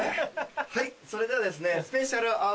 はいそれではですね。